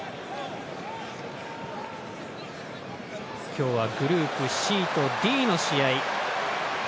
今日はグループＣとＤの試合。